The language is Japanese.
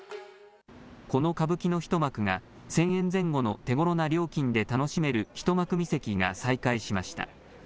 この歌舞伎の一幕が、１０００円前後の手ごろな料金で楽しめる一幕見席が再開しました。